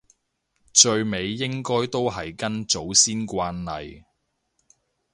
最尾應該都係跟祖先慣例